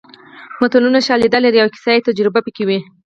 متلونه شالید لري او کیسه یا تجربه پکې وي